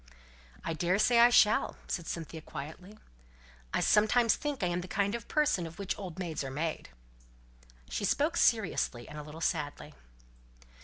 "I daresay I shall," said Cynthia, quietly. "I sometimes think I'm the kind of person of which old maids are made!" She spoke seriously, and a little sadly.